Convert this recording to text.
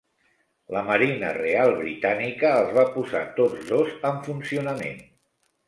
La Marina Real britànica els va posar tots dos en funcionament.